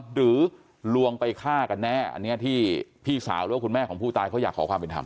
ลวงไปฆ่ากันแน่อันนี้ที่พี่สาวหรือว่าคุณแม่ของผู้ตายเขาอยากขอความเป็นธรรม